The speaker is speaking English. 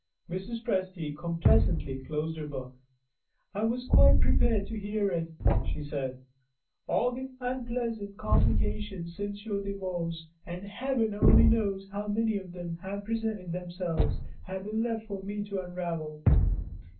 Mrs. Presty complacently closed her book. "I was quite prepared to hear it," she said; "all the unpleasant complications since your Divorce and Heaven only knows how many of them have presented themselves have been left for me to unravel.